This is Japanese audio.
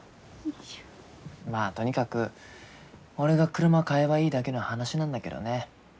まあとにかく俺が車買えばいいだけの話なんだけどね。